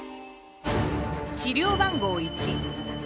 資料番号１。